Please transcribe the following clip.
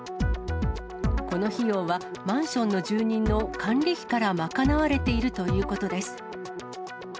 この費用はマンションの住人の管理費から賄われているということです。